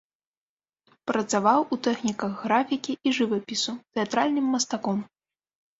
Працаваў у тэхніках графікі і жывапісу, тэатральным мастаком.